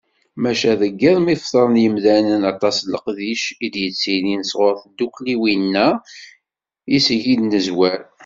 Maca deg yiḍ mi fetren yimdanen, aṭas n leqdic i d-yettilin sɣur tiddukkliwin-a iseg i d-nezwar.